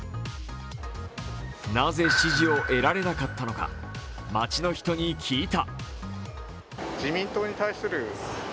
なぜ支持を得られなかったのか、街の人に聞いた。